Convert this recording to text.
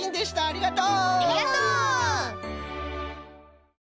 ありがとう！